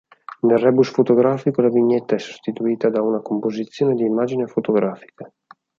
Nel rebus fotografico la vignetta è sostituita da una composizione di immagini fotografiche.